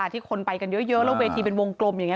ที่คนไปกันเยอะแล้วเวทีเป็นวงกลมอย่างนี้